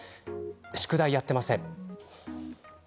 宿題をやっていません。